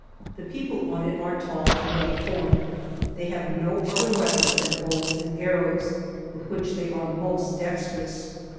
2 * The people on it are tall and well formed; they have no other weapons than bows and arrows with which they are most dextrous.